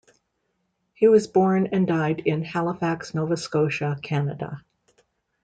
He was born and died in Halifax, Nova Scotia, Canada.